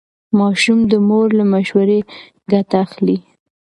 ماشوم د مور له مشورې ګټه اخلي.